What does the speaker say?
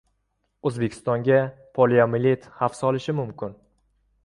O‘zbekistonga poliomielit xavf solishi mumkinmi?